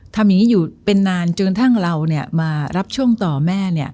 ทำอย่างนี้อยู่เป็นนานจนกระทั่งเรามารับช่วงต่อแม่